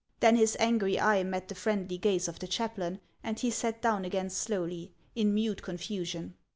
Then his angry eye met the friendly gaze of the chaplain, and he sat down again slowly, in mute confusion.